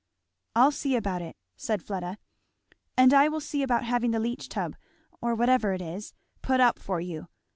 "I'll see about it," said Fleda, "and I will see about having the leach tub, or whatever it is, put up for you.